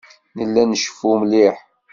Nella nceffu mliḥ.